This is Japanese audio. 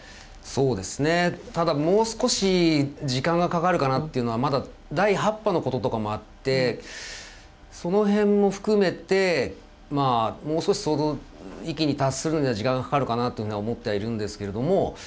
そうですねただもう少し時間がかかるかなというのはまだ第８波のこととかもあってその辺も含めてもう少しその域に達するのは時間がかかるかなというのは思っているんですけれども。